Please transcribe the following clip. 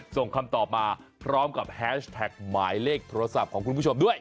ส่งคำตอบมาพร้อมกับแฮชแท็กหมายเลขโทรศัพท์ของคุณผู้ชมด้วย